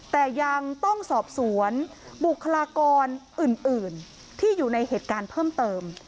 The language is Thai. แต่ยังต้องสอบสวนบุคลากรอื่นที่อยู่ในเหตุการณ์เพิ่มเติม